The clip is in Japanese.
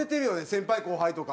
先輩後輩とか。